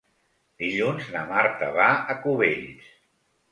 Dilluns na Marta va a Cubells.